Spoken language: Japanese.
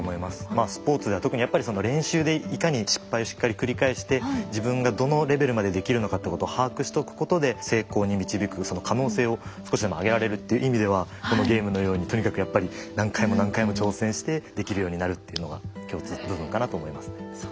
まあスポーツでは特にやっぱり練習でいかに失敗をしっかり繰り返して自分がどのレベルまでできるのかってことを把握しとくことで成功に導くその可能性を少しでも上げられるという意味ではこのゲームのようにとにかくやっぱり何回も何回も挑戦してできるようになるというのが共通部分かなと思いますね。